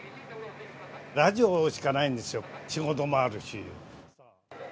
ラジオしかないんですよ、仕事もあるし。